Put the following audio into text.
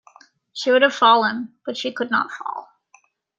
She would have fallen, but she could not fall.